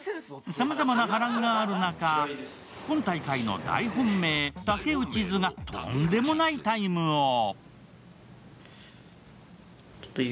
さまざまな波乱がある中、今大会の大本命、竹内ズがとんでもないタイムを。